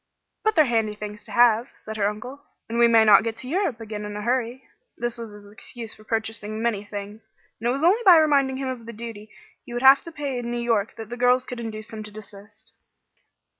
"But they're handy things to have," said her uncle, "and we may not get to Europe again in a hurry." This was his excuse for purchasing many things, and it was only by reminding him of the duty he would have to pay in New York that the girls could induce him to desist.